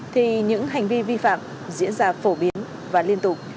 thì những hành vi vi phạm diễn ra phổ biến và liên tục